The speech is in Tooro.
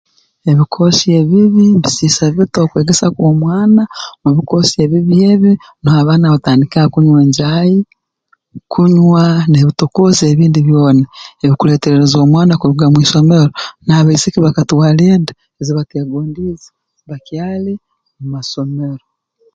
Ebikoosi ebibi mbisiisa bita okwegesa kw'omwana mu bikoosi ebibi ebi nuho abaana batandikira kunywa enjaahi kunywa n'ebitokooza ebindi byona ebikuleeterereza omwana kuruga mu isomero n'abaisiki bakatwara enda ezi bateegondiize bakyali mu masomero